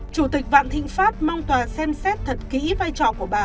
chủ tịch vạn thịnh pháp mong tòa xem xét thật kỹ vai trò của bà